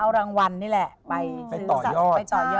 เอารางวัลนี่แหละไปต่อยอด